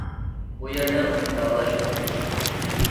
بۇ يەردە ئۇنى داۋالاشقا كىرىشتى.